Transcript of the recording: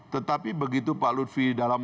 tetapi begitu pak lutfi dalam